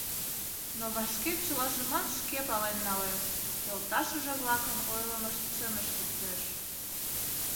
Но вашке чылажымат шке пален налеш: йолташыже-влакын ойлымышт чыныш лектеш.